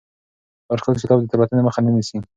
لارښود کتاب د تېروتنې مخه نیسي.